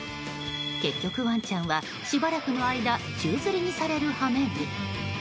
結局、ワンちゃんはしばらくの間宙づりにされる羽目に。